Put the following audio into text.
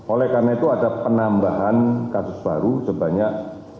oleh karena itu ada penambahan kasus baru sebanyak dua puluh tujuh